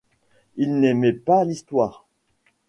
Il n'aimait pas l'histoire.